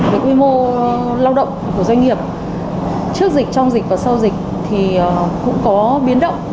với quy mô lao động của doanh nghiệp trước dịch trong dịch và sau dịch thì cũng có biến động